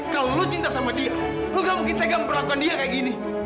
kalo lu cinta sama dia lu gak mungkin tegak memperlakukan dia kayak gini